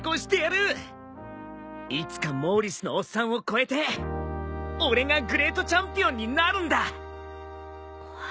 いつかモーリスのおっさんを超えて俺がグレートチャンピオンになるんだ！